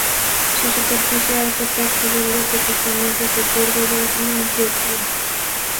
Su superficie hace parte de los departamentos de Córdoba y Antioquia.